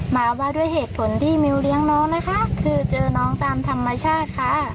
มาว่าด้วยเหตุผลที่มิวเลี้ยงน้องนะคะคือเจอน้องตามธรรมชาติค่ะ